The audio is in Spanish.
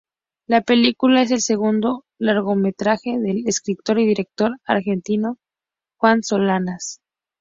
La película es el segundo largometraje del escritor y director argentino Juan Solanas.